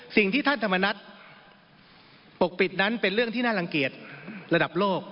สิ่งที่ท่านธรรมนัฐปกปิดนั้นเป็นเรื่องที่น่ารังเกียจระดับโลก